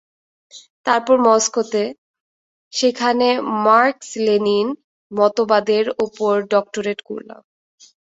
তারপর মস্কোতে, সেখানে মার্কস-লেনিন মতবাদের ওপর ডক্টরেট করলাম।